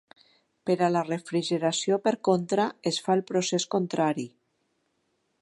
Per a la refrigeració, per contra, es fa el procés contrari.